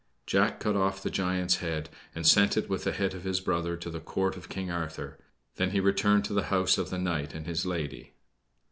Jack cut off the giant's head, and sent it with the head of his brother to the Court of King Arthur; then he returned to the house of the knight and his lady.